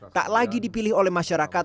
tak lagi dipilih oleh masyarakat